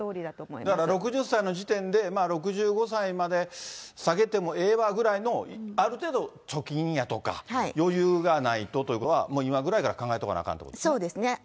だから６０歳の時点で、６５歳まで下げてもええわぐらいの、ある程度、貯金やとか余裕がないとということは、もう今ぐらいから考えとかないとあかんとそうですね。